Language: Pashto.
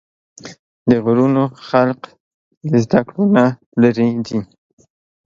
د غرونو خلق د زدکړو نه لرې دي